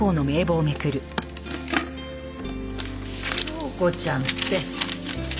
京子ちゃんって。